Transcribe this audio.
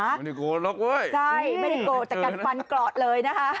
ไม่ได้โกรธหรอกเว้ยใช่ไม่ได้โกรธแต่กันฟันกรอดเลยนะคะ